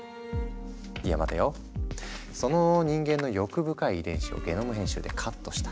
いや待てよその人間の欲深い遺伝子をゲノム編集でカットしたら。